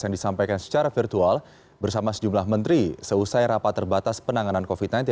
yang disampaikan secara virtual bersama sejumlah menteri seusai rapat terbatas penanganan covid sembilan belas